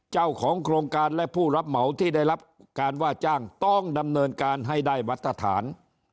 เจ้าของโครงการและผู้รับเหมาที่ได้รับการว่าจ้างต้องดำเนินการให้ได้มาตรฐาน